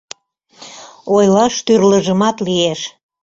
Ойлаш тӱрлыжымат лиеш...